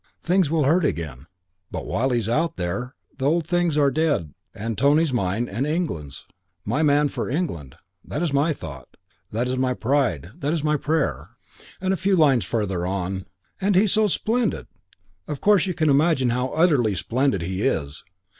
things will hurt again; but while he's out there the old things are dead and Tony's mine and England's my man for England: that is my thought; that is my pride; that is my prayer." And a few lines farther on, "And he's so splendid. Of course you can imagine how utterly splendid he is.